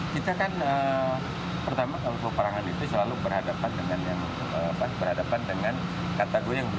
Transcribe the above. kita kan pertama perang itu selalu berhadapan dengan kategori yang berbeda